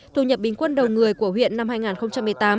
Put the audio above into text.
thu nhập bình quân đầu người của huyện năm hai nghìn một mươi tám